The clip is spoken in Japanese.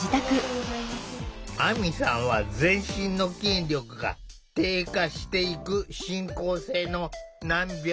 あみさんは全身の筋力が低下していく進行性の難病。